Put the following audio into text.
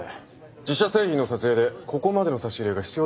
自社製品の撮影でここまでの差し入れが必要ですか？